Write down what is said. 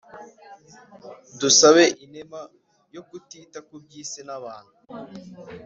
dusabe inema yo kutita ku by ‘isi nabantu